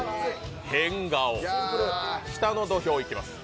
変顔下の土俵いきます。